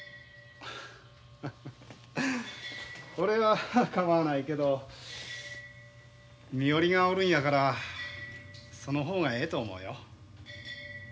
ハハハハ俺は構わないけど身寄りがおるんやからその方がええと思うよ。